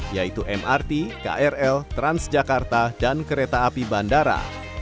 yaitu mrt krl transjakarta dan kereta api bandara